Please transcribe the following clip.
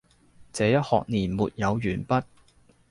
這一學年沒有完畢，